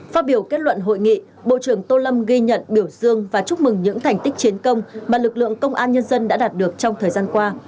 phát biểu kết luận hội nghị bộ trưởng tô lâm ghi nhận biểu dương và chúc mừng những thành tích chiến công mà lực lượng công an nhân dân đã đạt được trong thời gian qua